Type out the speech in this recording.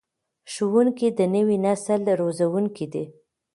ښوونکي د نوي نسل روزونکي دي.